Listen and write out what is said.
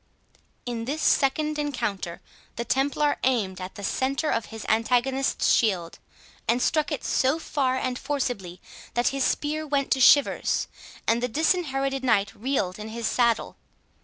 In this second encounter, the Templar aimed at the centre of his antagonist's shield, and struck it so fair and forcibly, that his spear went to shivers, and the Disinherited Knight reeled in his saddle.